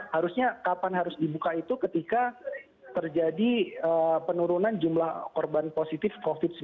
harusnya kapan harus dibuka itu ketika terjadi penurunan jumlah korban positif covid sembilan belas